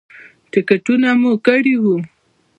ټکټونه مو کړي وو.